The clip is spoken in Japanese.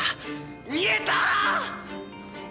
見えた！